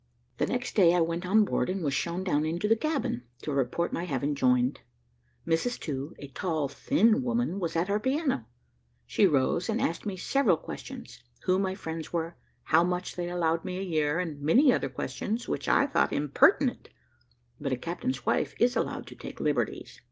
The next day I went on board, and was shown down into the cabin, to report my having joined. Mrs To, a tall, thin woman, was at her piano; she rose, and asked me several questions who my friends were how much they allowed me a year, and many other questions, which I thought impertinent; but a captain's wife is allowed to take liberties.